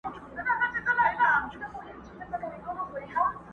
چي یې بیا دی را ایستلی د ګور مړی؛